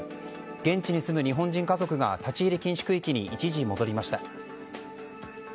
現地に住む日本人家族が立ち入り禁止区域に一時、戻りました。